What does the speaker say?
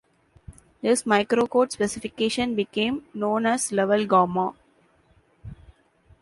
This microcode specification became known as level Gamma.